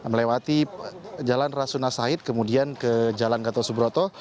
melewati jalan rasuna said kemudian ke jalan gatot subroto